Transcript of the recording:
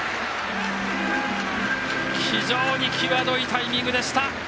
非常に際どいタイミングでした。